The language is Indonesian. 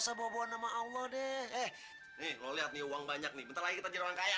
sampai jumpa di video selanjutnya